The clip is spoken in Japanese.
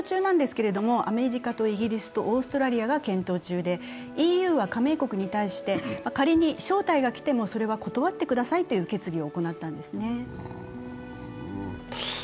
アメリカとイギリスとオーストラリアが検討中で、ＥＵは加盟国に対して仮に招待が来ても、それは断ってくださいという決議を行ったんですね。